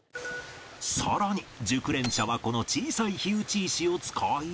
さらに熟練者はこの小さい火打ち石を使い